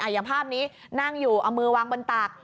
อย่างภาพนี้นั่งอยู่เอามือวางบนตัก